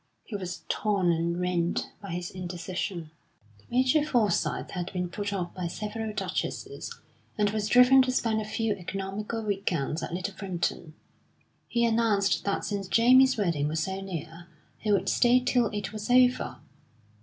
He was torn and rent by his indecision. Major Forsyth had been put off by several duchesses, and was driven to spend a few economical weeks at Little Primpton; he announced that since Jamie's wedding was so near he would stay till it was over.